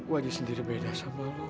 saya sendiri berbeda dengan anda